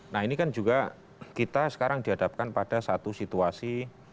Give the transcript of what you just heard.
nah ini kan juga kita sekarang dihadapkan pada satu situasi